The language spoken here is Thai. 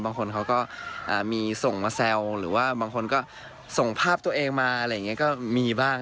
บางคนเขาก็มีส่งมาแซวหรือว่าบางคนก็ส่งภาพตัวเองมาอะไรอย่างนี้ก็มีบ้าง